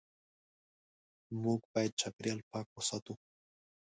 موږ باید چاپېریال پاک وساتو.